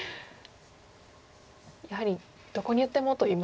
やはりどこに打ってもといいますか。